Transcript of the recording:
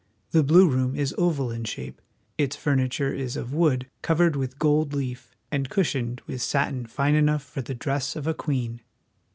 The Blue Room is oval in shape. Its furniture is of wood covered with gold leaf, and cushioned with satin fine enough for the dress of a queen.